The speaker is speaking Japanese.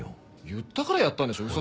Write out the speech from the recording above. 言ったからやったんでしょ。